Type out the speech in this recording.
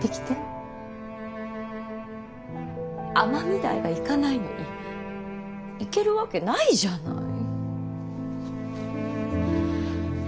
尼御台が行かないのに行けるわけないじゃない。